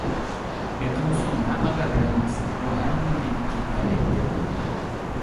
ئېقىن سۇ نەقەدەر رەھىمسىز، ئۇ ھەممىنى ئېلىپ كېتەلەيتتى.